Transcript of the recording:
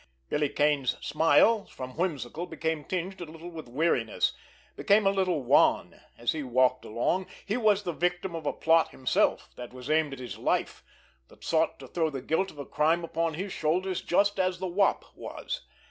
Billy Kane's smile, from whimsical, became tinged a little with weariness, became a little wan, as he walked along. He was the victim of a plot himself, that was aimed at his life, that sought to throw the guilt of a crime upon his shoulders, just as the Wop was.